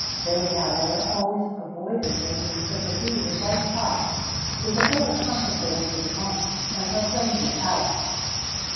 They, however, always avoided making fricassees of white cocks, because they were consecrated to the month, and proclaimed the hours.